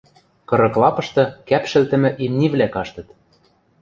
Кырык лапышты кӓпшӹлтӹмӹ имнивлӓ каштыт.